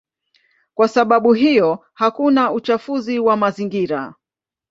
Kwa sababu hiyo hakuna uchafuzi wa mazingira.